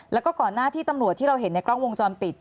แล้วก็ก่อนหน้าที่ตำรวจที่เราเห็นในกล้องวงจรปิด